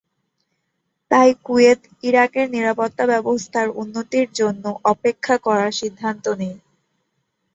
তাই কুয়েত, ইরাকের নিরাপত্তা অবস্থার উন্নতির জন্য অপেক্ষা করা সিদ্ধান্ত নেয়।